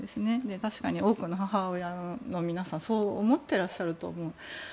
確かに多くの母親の皆さんはそう思ってらっしゃると思う。